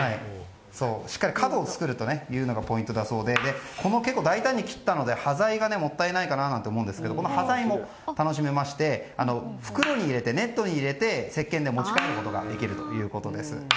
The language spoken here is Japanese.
しっかり角を作るというのがポイントだそうで大胆に切ったので端材がもったいないなと思うんですがこの端材も楽しめましてネットに入れて持ち帰ることができるということです。